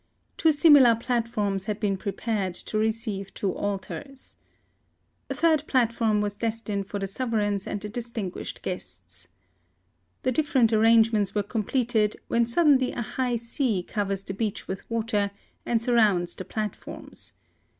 Two similar platforms had been prepared to receive two altars. A third platform was destined for the sove reigns and the distinguished guests. The different arrangements were completed when suddenly a high sea covers the beach THE SUEZ CANAL. 83 with water, and surrounds the platforms.